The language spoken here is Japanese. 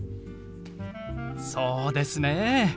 そうですね。